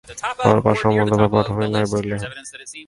পূর্বাপর সম্বন্ধ বা পটভূমি নাই বলিলেই হয়।